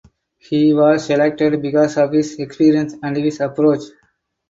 He was selected because of his experience and his approach.